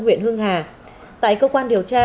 huyện hưng hà tại cơ quan điều tra